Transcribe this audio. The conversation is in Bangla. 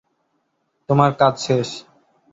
তোমার কাজ শেষ।